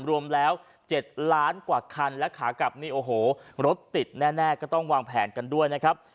รวมแล้ว๗ล้านกว่าคันและขากลับนี่โอ้โหรถติดแน่ก็ต้องวางแผนกันด้วยนะครับ